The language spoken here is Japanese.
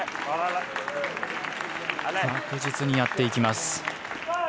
確実にやっていきます。